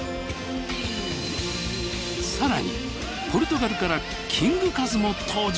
更にポルトガルからＫＩＮＧカズも登場！